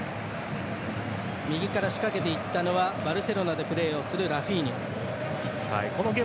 右から仕掛けていったのはバルセロナでプレーをするラフィーニャ。